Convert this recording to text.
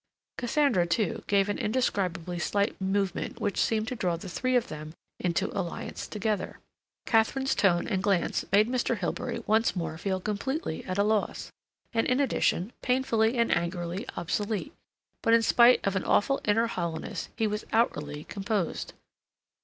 Cassandra, too, gave an indescribably slight movement which seemed to draw the three of them into alliance together. Katharine's tone and glance made Mr. Hilbery once more feel completely at a loss, and in addition, painfully and angrily obsolete; but in spite of an awful inner hollowness he was outwardly composed.